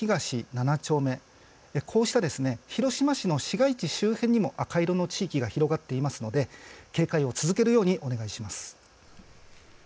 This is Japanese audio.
７丁目こうした広島市の市街地周辺にも赤色の地域が広がっていますので警戒を続けるようにお願いします。